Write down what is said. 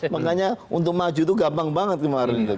makanya untuk maju itu gampang banget kemarin